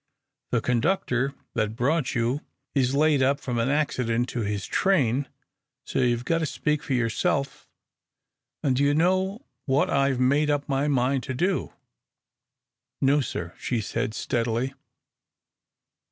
The conductor that brought you is laid up from an accident to his train, so you've got to speak for yourself; and do you know what I've made up my mind to do?" "No, sir," she said, steadily.